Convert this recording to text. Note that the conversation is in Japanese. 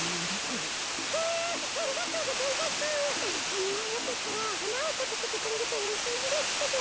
あのよかったらはなをさかせてくれるとうれしいんですけど。